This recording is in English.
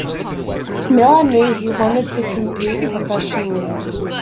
Miller knew he wanted to compete professionally.